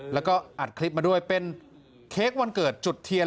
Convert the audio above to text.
แล้วก็อัดคลิปมาด้วยเป็นเค้กวันเกิดจุดเทียน